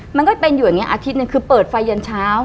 มันก็เป็นอยู่อย่างนี้อาทิตย์หนึ่งคือเปิดไฟเย็นเช้า